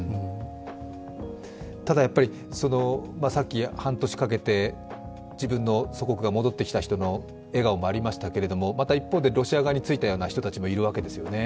ただやっぱり、半年かけて自分の祖国が戻ってきた人の笑顔もありましたけれどもまた一方でロシア側についたような人もいるわけですよね。